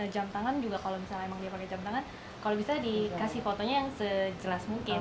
jam tangan juga kalau misalnya emang dia pakai jam tangan kalau bisa dikasih fotonya yang sejelas mungkin